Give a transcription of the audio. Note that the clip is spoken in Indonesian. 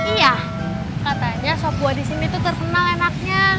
iya katanya sop buah disini tuh terkenal enaknya